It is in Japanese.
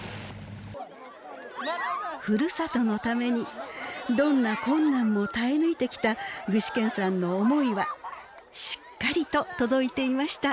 ふるさとのためにどんな困難も耐え抜いてきた具志堅さんの思いはしっかりと届いていました。